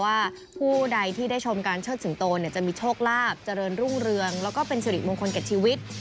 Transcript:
ว่าผู้ใดที่ได้ชมการเชิดสิงโตจะมีโชคลาภเจริญรุ่งเรืองแล้วก็เป็นสิริมงคลแก่ชีวิต